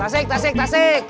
tasik tasik tasik